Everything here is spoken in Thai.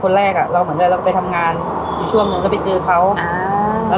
คนแรกอะเราเหมือนว่าเราไปทำงานวันช่วงหนึ่งก็ไปเจอเขาอ่า